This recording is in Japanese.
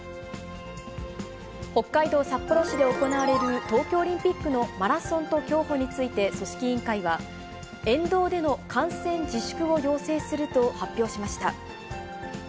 北海道札幌市で行われる、東京オリンピックのマラソンと競歩について、組織委員会は、沿道での観戦自粛を要請すると発表しました。